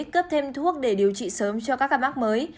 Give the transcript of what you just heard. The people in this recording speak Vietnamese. cướp thêm thuốc để điều trị sớm cho các các bác mới